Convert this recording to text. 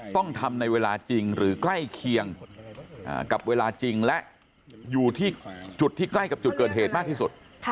ต้องทำในเวลาจริงหรือใกล้เคียงกับเวลาจริงและอยู่ที่จุดที่ใกล้กับจุดเกิดเหตุมากที่สุด